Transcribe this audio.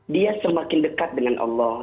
dia semakin dekat dengan allah